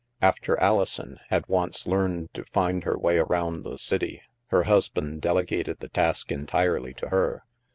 After Alison had once learned to find her way around the city, her husband delegated the task entirely to her.